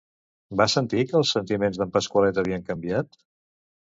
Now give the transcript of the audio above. Va sentir que els sentiments d'en Pasqualet havien canviat?